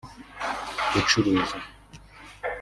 gucuruza